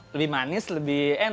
lebih manis lebih enak